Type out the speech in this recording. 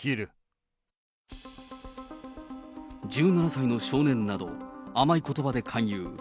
１７歳の少年など、甘いことばで勧誘。